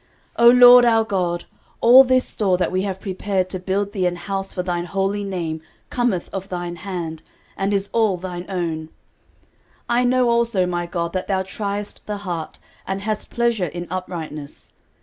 13:029:016 O LORD our God, all this store that we have prepared to build thee an house for thine holy name cometh of thine hand, and is all thine own. 13:029:017 I know also, my God, that thou triest the heart, and hast pleasure in uprightness.